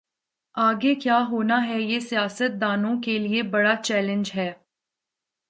آگے کیا ہوناہے یہ سیاست دانوں کے لئے بڑا چیلنج ہے۔